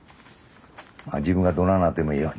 まあ自分がどないなってもええように。